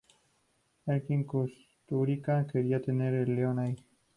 Emir Kusturica quería tener un león ahí.